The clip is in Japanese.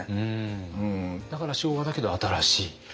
だから昭和だけど新しい？